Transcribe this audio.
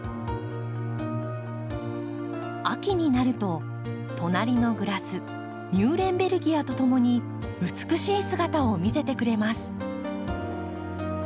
秋になると隣のグラスミューレンベルギアとともに美しい姿を見せてくれます。